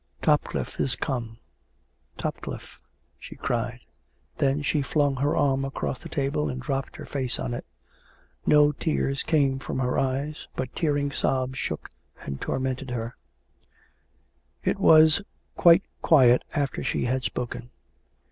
" Topcliffe is come ... Topcliffe !..." she cried. Then she flung her arm across the table and dropped her face on it. No tears came from her eyes, but tearing sobs shook and tormented her. 444 COME RACK! COME ROPE! It was quite quiet after she had spoken.